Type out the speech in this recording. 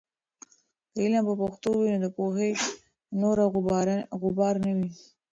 که علم په پښتو وي، نو د پوهې نوره غبار نه وي.